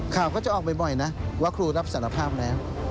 ข่าวก็จะออกบ่อยนะว่าครูรับสารภาพแล้ว